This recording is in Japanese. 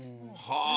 はあ。